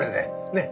ねっ？